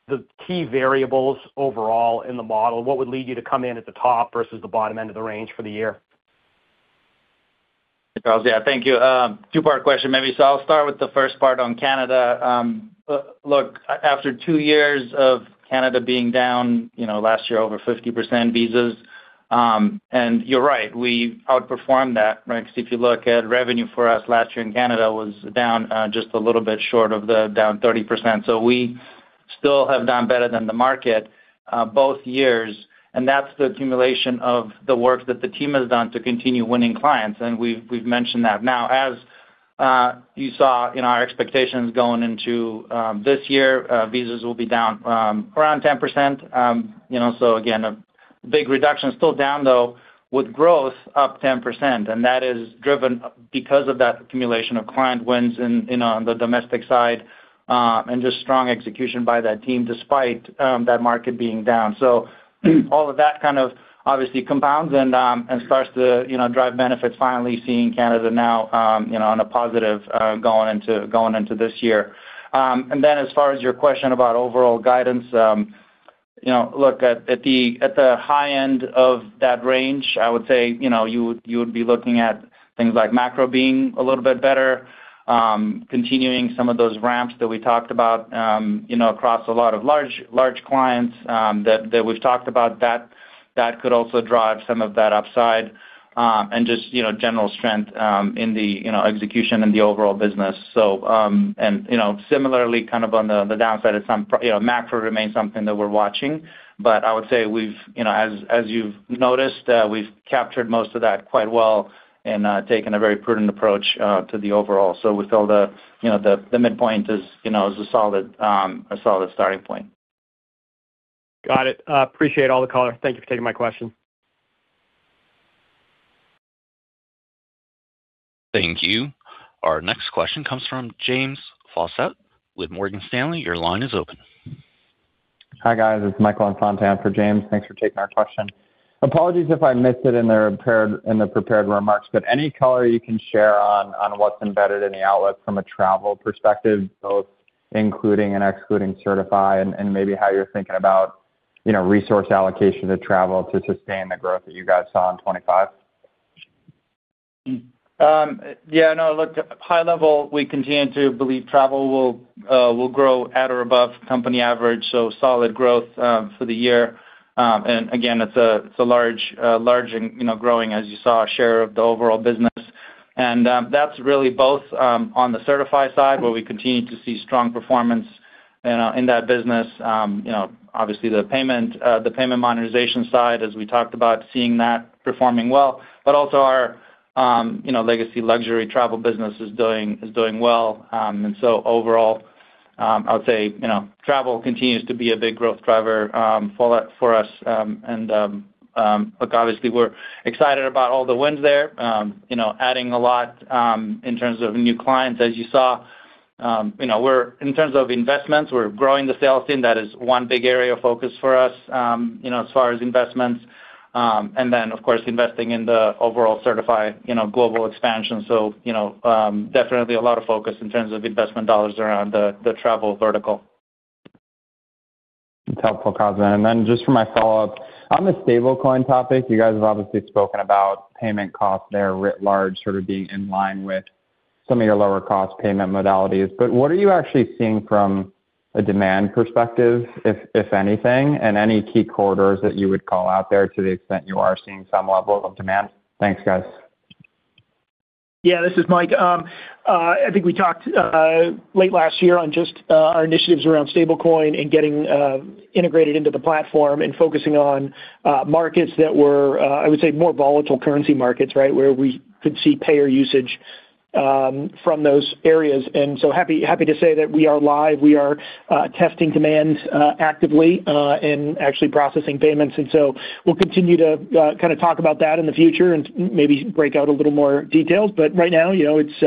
the key variables overall in the model, what would lead you to come in at the top versus the bottom end of the range for the year? Charles, yeah, thank you. Two-part question, maybe. I'll start with the first part on Canada. Look, after two years of Canada being down, you know, last year, over 50% visas, and you're right, we outperformed that, right? Because if you look at revenue for us last year in Canada was down, just a little bit short of the down 30%. We still have done better than the market, both years, and that's the accumulation of the work that the team has done to continue winning clients, and we've mentioned that. Now, as you saw in our expectations going into this year, visas will be down around 10%. You know, so again, a big reduction. Still down, though, with growth up 10%, and that is driven because of that accumulation of client wins in on the domestic side, and just strong execution by that team, despite that market being down. All of that kind of obviously compounds and starts to, you know, drive benefits, finally seeing Canada now, you know, on a positive going into, going into this year. And then as far as your question about overall guidance, you know, look, at the high end of that range, I would say, you know, you would be looking at things like macro being a little bit better, continuing some of those ramps that we talked about, you know, across a lot of large clients that we've talked about. That could also drive some of that upside, and just, you know, general strength, in the, you know, execution and the overall business. And, you know, similarly, kind of on the downside of some you know, macro remains something that we're watching. I would say we've, you know, as you've noticed, we've captured most of that quite well and, taken a very prudent approach, to the overall. We feel the, you know, the midpoint is, you know, is a solid, a solid starting point. Got it. Appreciate all the color. Thank you for taking my question. Thank you. Our next question comes from James Faucette with Morgan Stanley. Your line is open. Hi, guys. It's Michael Infante for James. Thanks for taking our question. Apologies if I missed it in the prepared remarks, any color you can share on what's embedded in the outlook from a travel perspective, both including and excluding Sertifi and maybe how you're thinking about, you know, resource allocation to travel to sustain the growth that you guys saw in 2025? High level, we continue to believe travel will grow at or above company average, solid growth for the year. Again, it's a large and, you know, growing, as you saw, share of the overall business. That's really both on the Sertifi side, where we continue to see strong performance, you know, in that business. You know, obviously, the payment monetization side, as we talked about, seeing that performing well, but also our, you know, legacy luxury travel business is doing well. Overall, I would say, you know, travel continues to be a big growth driver for us. Obviously, we're excited about all the wins there. You know, adding a lot, in terms of new clients, as you saw. You know, in terms of investments, we're growing the sales team. That is one big area of focus for us, you know, as far as investments. Then, of course, investing in the overall Sertifi, you know, global expansion. You know, definitely a lot of focus in terms of investment dollars around the travel vertical. That's helpful, Cosmin. Just for my follow-up, on the stablecoin topic, you guys have obviously spoken about payment costs there, writ large, sort of being in line with some of your lower cost payment modalities. What are you actually seeing from a demand perspective, if anything, and any key corridors that you would call out there to the extent you are seeing some level of demand? Thanks, guys. Yeah, this is Mike. I think we talked late last year on just our initiatives around stablecoin and getting integrated into the platform and focusing on markets that were I would say, more volatile currency markets, right? Where we could see payer usage from those areas. Happy to say that we are live. We are testing demand actively and actually processing payments. We'll continue to kind of talk about that in the future and maybe break out a little more details. Right now, you know, it's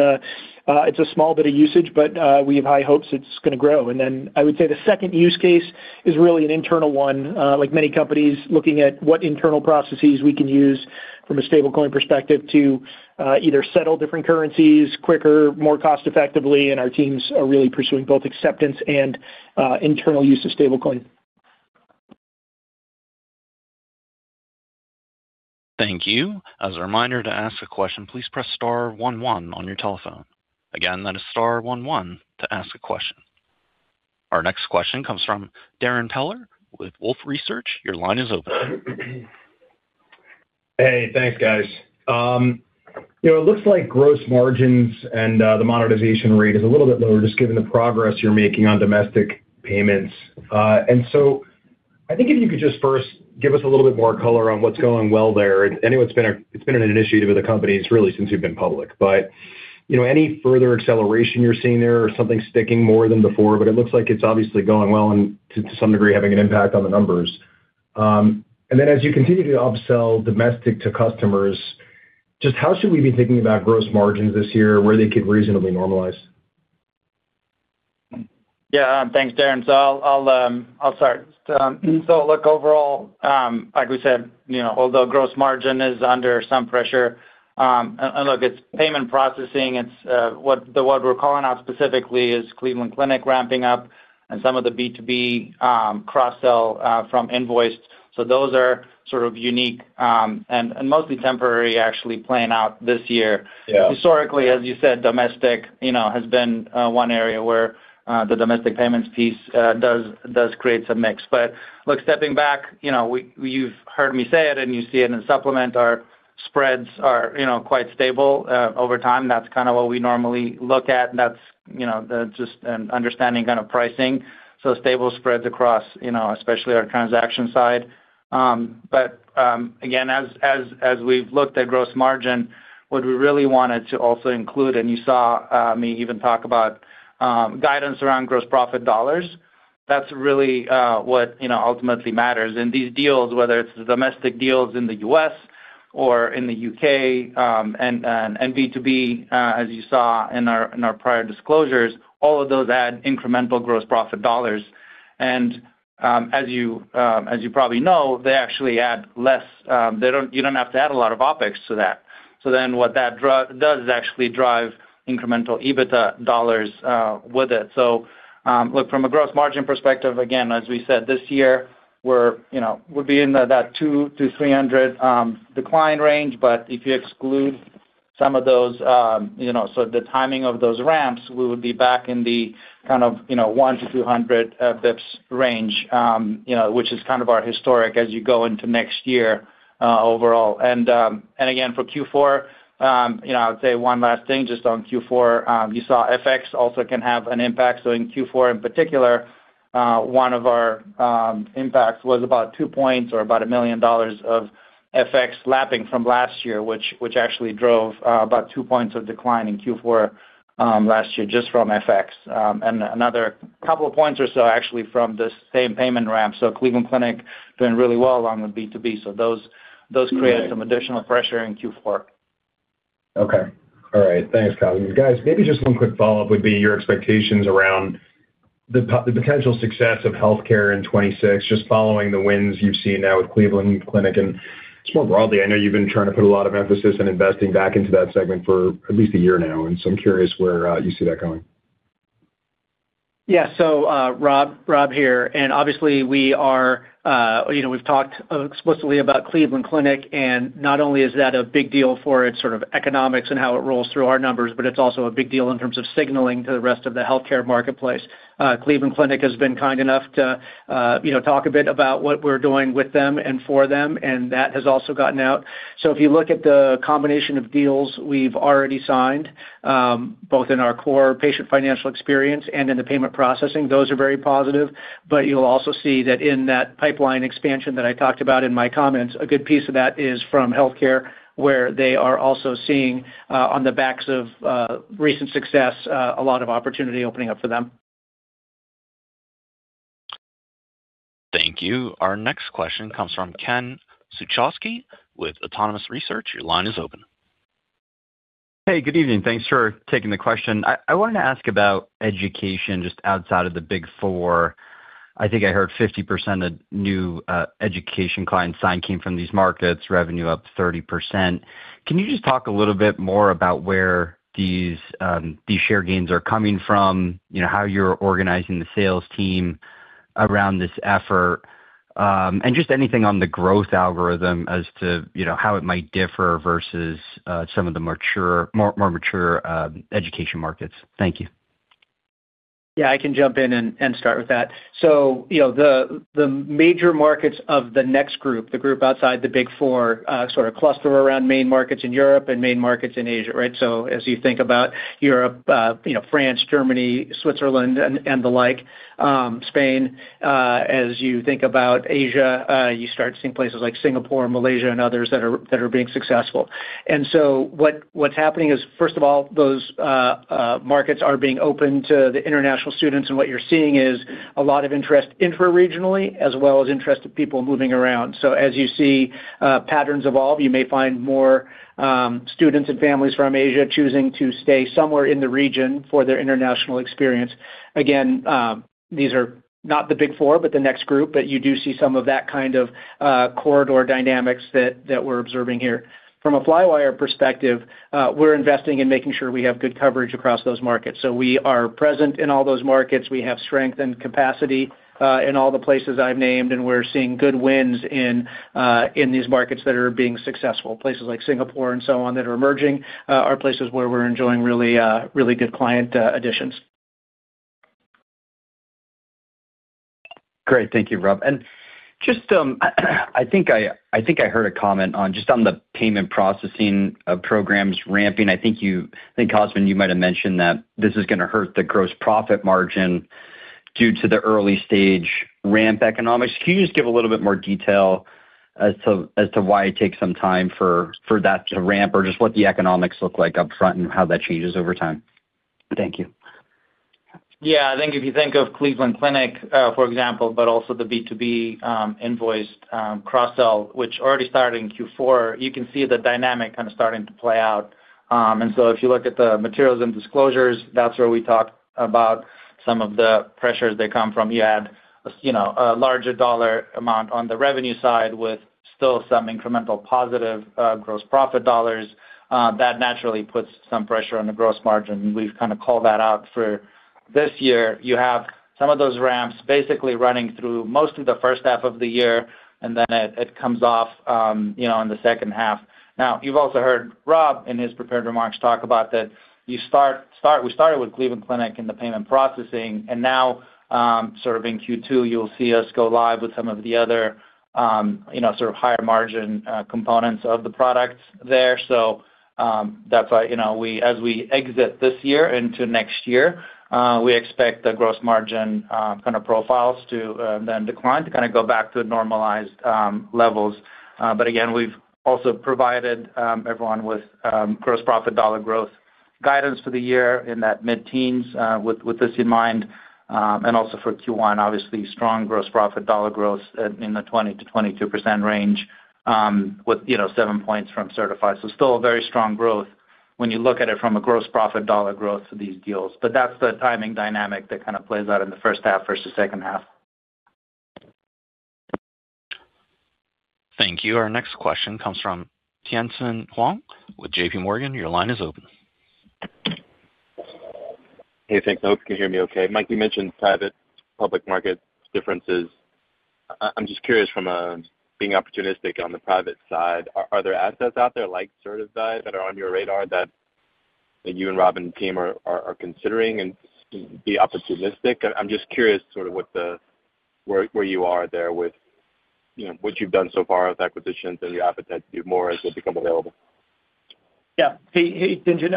a small bit of usage, but we have high hopes it's gonna grow. Then I would say the second use case is really an internal one. Like many companies, looking at what internal processes we can use from a stablecoin perspective to either settle different currencies quicker, more cost effectively, and our teams are really pursuing both acceptance and internal use of stablecoin. Thank you. As a reminder to ask a question, please press star one one on your telephone. Again, that is star one one to ask a question. Our next question comes from Darrin Peller with Wolfe Research. Your line is open. Hey, thanks, guys. You know, it looks like gross margins and the monetization rate is a little bit lower, just given the progress you're making on domestic payments. I think if you could just first give us a little bit more color on what's going well there. I know it's been an initiative with the company. It's really since you've been public. You know, any further acceleration you're seeing there or something sticking more than before, it looks like it's obviously going well and to some degree, having an impact on the numbers. As you continue to upsell domestic to customers, just how should we be thinking about gross margins this year, where they could reasonably normalize? Yeah, thanks, Darrin. I'll start. Look, overall, like we said, you know, although gross margin is under some pressure, it's payment processing, it's, what we're calling out specifically is Cleveland Clinic ramping up and some of the B2B, cross-sell, from invoice. Those are sort of unique, and mostly temporary, actually, playing out this year. Yeah. Historically, as you said, domestic, you know, has been one area where the domestic payments piece does create some mix. Look, stepping back, you know, you've heard me say it, and you see it in supplement, our spreads are, you know, quite stable. Over time, that's kind of what we normally look at, and that's, you know, the just an understanding kind of pricing, so stable spreads across, you know, especially our transaction side. Again, as we've looked at gross margin, what we really wanted to also include, and you saw me even talk about guidance around gross profit dollars, that's really what, you know, ultimately matters. These deals, whether it's the domestic deals in the U.S. or in the U.K., and B2B, as you saw in our prior disclosures, all of those add incremental gross profit dollars. As you probably know, they actually add less, you don't have to add a lot of OpEx to that. What that does is actually drive incremental EBITDA dollars with it. Look, from a gross margin perspective, again, as we said this year, we're, you know, we'll be in that 200-300 BPS decline range, but if you exclude some of those, you know, the timing of those ramps, we would be back in the kind of, you know, 100-200 BPS range, you know, which is kind of our historic as you go into next year overall. Again, for Q4, you know, I would say one last thing just on Q4. You saw FX also can have an impact. In Q4, in particular, one of our impacts was about two points or about $1 million of FX lapping from last year, which actually drove about two points of decline in Q4 last year, just from FX. Another couple of points or so actually from the same payment ramp. Cleveland Clinic doing really well along with B2B. Those created some additional pressure in Q4. Okay. All right. Thanks, Cosmin. Guys, maybe just one quick follow-up would be your expectations around the potential success of healthcare in 26, just following the wins you've seen now with Cleveland Clinic. Just more broadly, I know you've been trying to put a lot of emphasis on investing back into that segment for at least a year now, I'm curious where you see that going. Yeah. Rob here, obviously, we are, you know, we've talked explicitly about Cleveland Clinic, not only is that a big deal for its sort of economics and how it rolls through our numbers, but it's also a big deal in terms of signaling to the rest of the healthcare marketplace. Cleveland Clinic has been kind enough to, you know, talk a bit about what we're doing with them and for them, that has also gotten out. If you look at the combination of deals we've already signed, both in our core patient financial experience and in the payment processing, those are very positive. You'll also see that in that pipeline expansion that I talked about in my comments, a good piece of that is from healthcare, where they are also seeing, on the backs of, recent success, a lot of opportunity opening up for them. Thank you. Our next question comes from Ken Suchoski with Autonomous Research. Your line is open. Hey, good evening. Thanks for taking the question. I wanted to ask about education just outside of the Big 4. I think I heard 50% of new education clients signed came from these markets, revenue up 30%. Can you just talk a little bit more about where these these share gains are coming from, you know, how you're organizing the sales team around this effort, and just anything on the growth algorithm as to, you know, how it might differ versus some of the more mature education markets? Thank you. Yeah, I can jump in and start with that. You know, the major markets of the next group, the group outside the Big 4, sort of cluster around main markets in Europe and main markets in Asia, right? As you think about Europe, you know, France, Germany, Switzerland, and the like, Spain, as you think about Asia, you start seeing places like Singapore, Malaysia, and others that are being successful. What's happening is, first of all, those markets are being open to the international students, and what you're seeing is a lot of interest intraregionally, as well as interested people moving around. As you see, patterns evolve, you may find more students and families from Asia choosing to stay somewhere in the region for their international experience. These are not the Big 4, but the next group, but you do see some of that kind of corridor dynamics that we're observing here. From a Flywire perspective, we're investing in making sure we have good coverage across those markets. We are present in all those markets. We have strength and capacity in all the places I've named, and we're seeing good wins in these markets that are being successful. Places like Singapore and so on, that are emerging, are places where we're enjoying really, really good client additions. Great. Thank you, Rob. Just, I think I heard a comment on the payment processing of programs ramping. I think, Cosmin, you might have mentioned that this is gonna hurt the gross profit margin due to the early stage ramp economics. Can you just give a little bit more detail as to why it takes some time for that to ramp, or just what the economics look like upfront and how that changes over time? Thank you. Yeah, I think if you think of Cleveland Clinic, for example, but also the B2B invoice cross-sell, which already started in Q4, you can see the dynamic kind of starting to play out. If you look at the materials and disclosures, that's where we talk about some of the pressures they come from. You add, you know, a larger dollar amount on the revenue side with still some incremental positive gross profit dollars that naturally puts some pressure on the gross margin. We've kind of called that out for this year. You have some of those ramps basically running through most of the first half of the year, and then it comes off, you know, in the second half. You've also heard Rob, in his prepared remarks, talk about that we started with Cleveland Clinic in the payment processing, now, sort of in Q2, you'll see us go live with some of the other, you know, sort of higher margin, components of the products there. That's why, you know, as we exit this year into next year, we expect the gross margin, kind of profiles to, then decline, to kind of go back to normalized, levels. Again, we've also provided everyone with gross profit dollar growth guidance for the year in that mid-teens with this in mind, also for Q1, obviously, strong gross profit dollar growth at, in the 20%-22% range, with, you know, seven points from Sertifi. Still a very strong growth when you look at it from a gross profit dollar growth to these deals. That's the timing dynamic that kind of plays out in the first half versus second half. Thank you. Our next question comes from Tien-tsin Huang with JPMorgan. Your line is open. Hey, thanks. I hope you can hear me okay. Mike, you mentioned private/public market differences. I'm just curious from a being opportunistic on the private side, are there assets out there like Sertifi that are on your radar that you and Rob and the team are considering and be opportunistic? I'm just curious sort of what the. Where you are there with, you know, what you've done so far with acquisitions and your appetite to do more as they become available. Yeah. Hey, hey, Tien-tsin.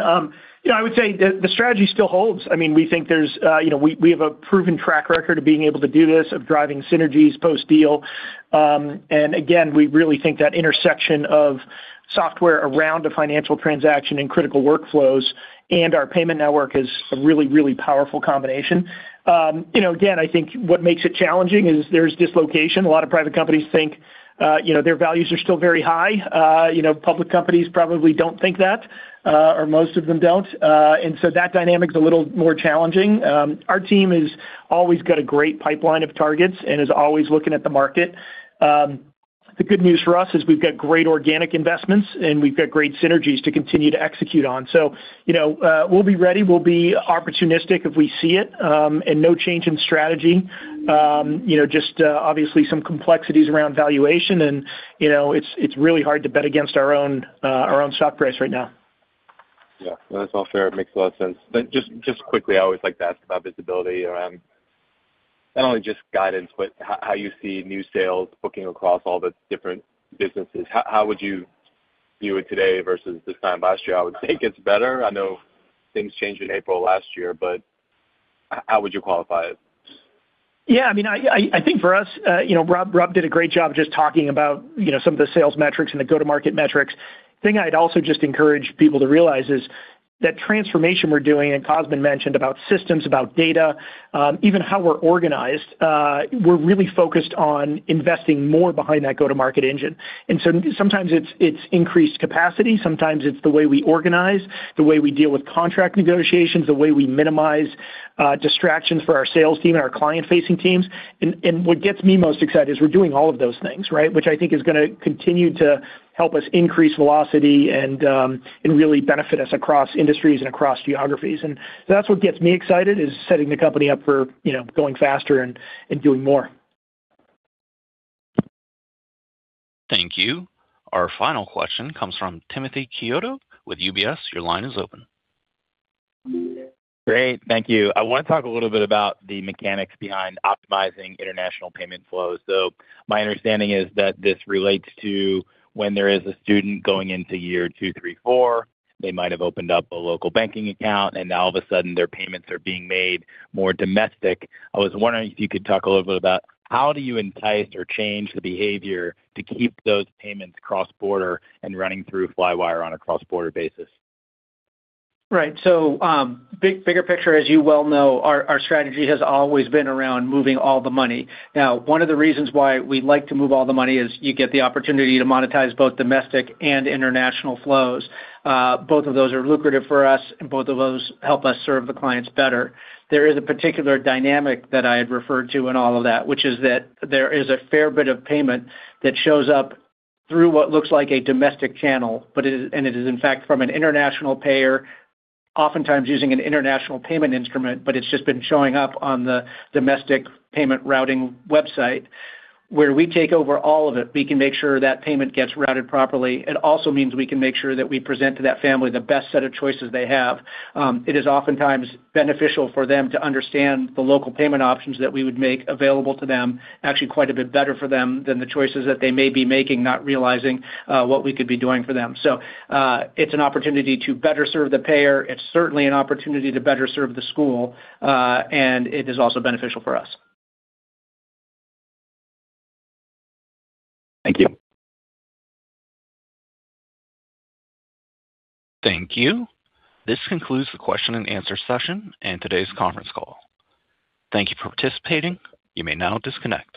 You know, I would say the strategy still holds. I mean, we think there's, you know, we have a proven track record of being able to do this, of driving synergies post-deal. Again, we really think that intersection of software around a financial transaction and critical workflows and our payment network is a really, really powerful combination. You know, again, I think what makes it challenging is there's dislocation. A lot of private companies think, you know, their values are still very high. You know, public companies probably don't think that, or most of them don't. That dynamic is a little more challenging. Our team has always got a great pipeline of targets and is always looking at the market. The good news for us is we've got great organic investments, and we've got great synergies to continue to execute on. You know, we'll be ready, we'll be opportunistic if we see it, and no change in strategy. You know, just obviously some complexities around valuation and, you know, it's really hard to bet against our own stock price right now. Yeah, that's all fair. It makes a lot of sense. Just quickly, I always like to ask about visibility around, not only just guidance, but how you see new sales booking across all the different businesses. How would you view it today versus this time last year? I would think it's better. I know things changed in April last year, but how would you qualify it? Yeah, I mean, I think for us, you know, Rob Orgel did a great job just talking about, you know, some of the sales metrics and the go-to-market metrics. The thing I'd also just encourage people to realize is that transformation we're doing, and Cosmin Pitigoi mentioned about systems, about data, even how we're organized, we're really focused on investing more behind that go-to-market engine. Sometimes it's increased capacity, sometimes it's the way we organize, the way we deal with contract negotiations, the way we minimize distractions for our sales team and our client-facing teams. What gets me most excited is we're doing all of those things, right? Which I think is gonna continue to help us increase velocity and really benefit us across industries and across geographies. That's what gets me excited, is setting the company up for, you know, going faster and doing more. Thank you. Our final question comes from Timothy Chiodo with UBS. Your line is open. Great. Thank you. I want to talk a little bit about the mechanics behind optimizing international payment flows. My understanding is that this relates to when there is a student going into year two, three, four, they might have opened up a local banking account, and now all of a sudden, their payments are being made more domestic. I was wondering if you could talk a little bit about how do you entice or change the behavior to keep those payments cross-border and running through Flywire on a cross-border basis? Right. Bigger picture, as you well know, our strategy has always been around moving all the money. One of the reasons why we like to move all the money is you get the opportunity to monetize both domestic and international flows. Both of those are lucrative for us, and both of those help us serve the clients better. There is a particular dynamic that I had referred to in all of that, which is that there is a fair bit of payment that shows up through what looks like a domestic channel, but it is, in fact, from an international payer, oftentimes using an international payment instrument, but it's just been showing up on the domestic payment routing website. We take over all of it, we can make sure that payment gets routed properly. It also means we can make sure that we present to that family the best set of choices they have. It is oftentimes beneficial for them to understand the local payment options that we would make available to them, actually quite a bit better for them than the choices that they may be making, not realizing what we could be doing for them. It's an opportunity to better serve the payer. It's certainly an opportunity to better serve the school, and it is also beneficial for us. Thank you. Thank you. This concludes the question and answer session and today's conference call. Thank you for participating. You may now disconnect.